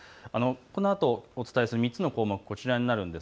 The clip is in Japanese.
このあとお伝えする３つの項目こちらです。